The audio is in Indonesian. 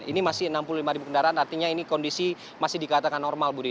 ini masih enam puluh lima ribu kendaraan artinya ini kondisi masih dikatakan normal budi